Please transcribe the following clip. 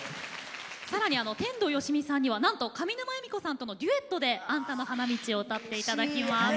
更に天童よしみさんにはなんと上沼恵美子さんとのデュエットで「あんたの花道」を歌って頂きます。